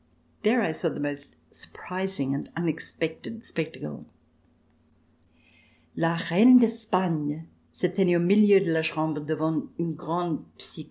There I saw the most surprising and unexpected spectacle. La reine d'Espagne se tenait au milieu de la chambre devant une grande psyche.